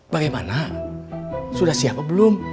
bagaimana sudah siap belum